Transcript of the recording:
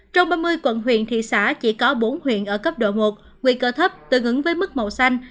trong ba mươi quận huyện thị xã chỉ có bốn huyện ở cấp độ một nguy cơ thấp tương ứng với mức màu xanh